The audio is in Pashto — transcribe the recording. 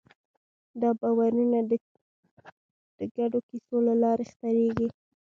دا باورونه د ګډو کیسو له لارې خپرېږي.